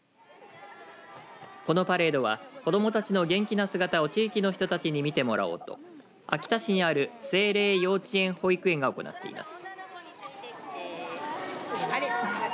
このパレードは子どもたちの元気な姿を地域の人たちに見てもらおうと秋田市にある聖霊幼稚園・保育園が行っています。